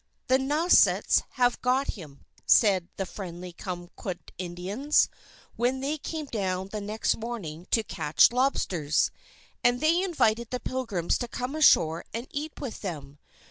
"The Nausets have got him," said the friendly Cummaquid Indians, when they came down the next morning to catch lobsters. And they invited the Pilgrims to come ashore and eat with them.